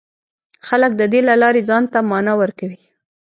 خلک د دې له لارې ځان ته مانا ورکوي.